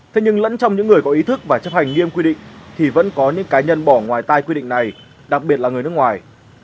thế nhưng lẫn trong những người có ý thức và chấp hành nghiêm quy định thì vẫn có những cá nhân bỏ ngoài tai quy định này đặc biệt là người nước ngoài